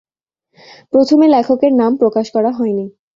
প্রথমে লেখকের নাম প্রকাশ করা হয়নি।